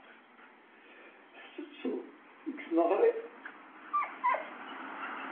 Tettetteḍ deg tneɣrit?